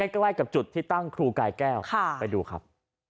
ใกล้กับจุดที่ตั้งครูกายแก้วไปดูครับ